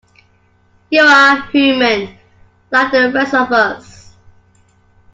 You are human, like the rest of us.